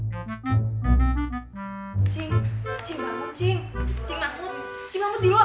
cik mahmud cik mahmud di luar